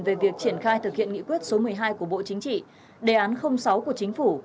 về việc triển khai thực hiện nghị quyết số một mươi hai của bộ chính trị đề án sáu của chính phủ